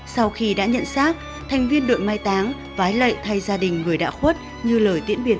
sau khi đã nhận xác thành viên đội mai táng vái lệ thay gia đình gửi đạ khuất như lời tiễn biệt